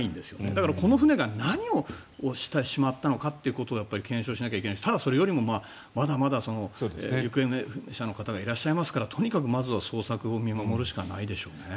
だからこの船が何をしてしまったのかということを検証しなければいけないしただ、それよりもまだまだ行方不明者の方がいらっしゃいますからとにかくまずは捜索を見守るしかないでしょうね。